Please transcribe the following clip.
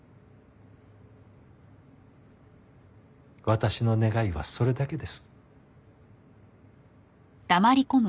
私の願いはそれだけです。